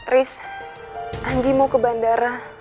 riz anggi mau ke bandara